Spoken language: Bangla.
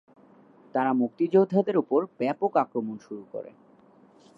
তারা মুক্তিযোদ্ধাদের ওপর ব্যাপক আক্রমণ শুরু করে।